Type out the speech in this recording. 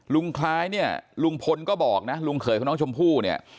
คล้ายเนี่ยลุงพลก็บอกนะลุงเขยของน้องชมพู่เนี่ย